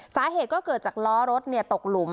สาเหตุก็เกิดจากล้อรถตกหลุม